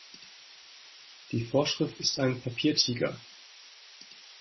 Die Vorschrift ist ein Papiertiger.